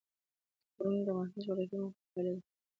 غرونه د افغانستان د جغرافیایي موقیعت پایله ده.